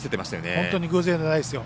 本当に偶然じゃないですよ。